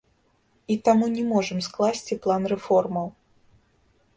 І таму не можам скласці план рэформаў.